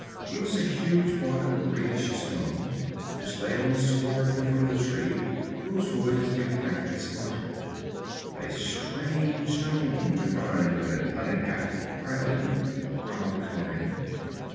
It was a huge block of greenish stone which lay on the sward at the foot of the tree, whose wood its impact had splintered. 'A strange stone to find on an uninhabited island,' growled Conan.